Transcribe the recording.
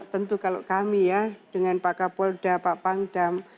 tentu kalau kami ya dengan pak kapolda pak pangdam